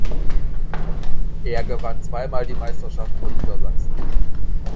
Er gewann zweimal die Meisterschaft von Niedersachsen.